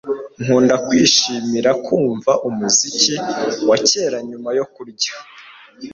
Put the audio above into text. Nkunda kwishimira kumva umuziki wa kera nyuma yo kurya